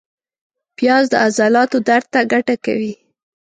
پیاز د عضلاتو درد ته ګټه کوي